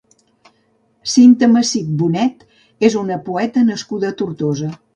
Cinta Massip Bonet és una poeta nascuda a Tortosa.